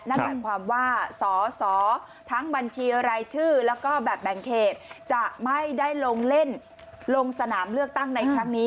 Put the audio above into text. นั่นหมายความว่าสอสอทั้งบัญชีรายชื่อแล้วก็แบบแบ่งเขตจะไม่ได้ลงเล่นลงสนามเลือกตั้งในครั้งนี้